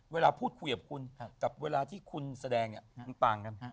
เวลาพูดคุยกับคุณกับเวลาที่คุณแสดงเนี่ยมันต่างกัน